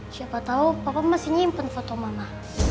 siapa tau papa masih nyimpen foto mama